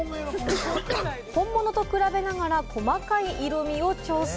本物と比べながら、細かい色みを調整。